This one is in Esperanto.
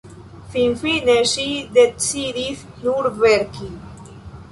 Finfine ŝi decidis nur verki.